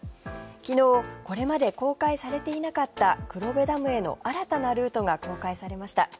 昨日これまで公開されていなかった黒部ダムへの新たなルートが公開されました。